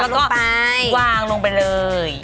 แล้วก็วางลงไปเลย